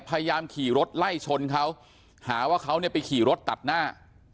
พยายามขี่รถไล่ชนเขาหาว่าเขาเนี่ยไปขี่รถตัดหน้า